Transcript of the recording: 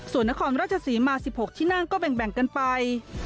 ส่วนนครราชศรีมา๑๖ที่นั่งก็แบ่งกันไป